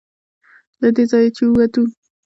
له دې ځایه چې ووتو.